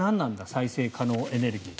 再生可能エネルギー。